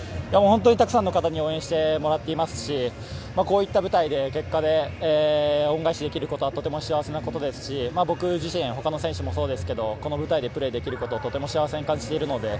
たくさんの方に応援してもらっていますしこういった舞台で結果で恩返しできることはとても幸せですし僕自身、他の選手もそうですけど、この舞台でプレーできることをとても幸せに感じているので